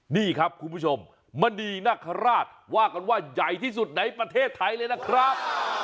นี่ครับคุณผู้ชมมณีนคราชว่ากันว่าใหญ่ที่สุดในประเทศไทยเลยนะครับ